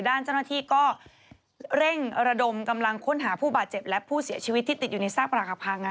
ด้านเจ้าหน้าที่ก็เร่งระดมกำลังค้นหาผู้บาดเจ็บและผู้เสียชีวิตที่ติดอยู่ในซากปรากพัง